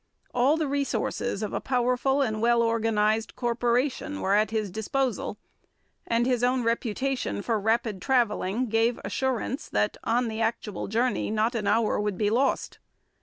All the resources of a powerful and well organized corporation were at his disposal, and his own reputation for rapid travelling gave assurance that on the actual journey not an hour would be lost.